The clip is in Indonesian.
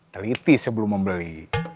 teliti sebelum membeli